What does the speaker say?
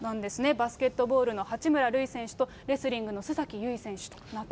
バスケットボールの八村塁選手と、レスリングの須崎優衣選手となっています。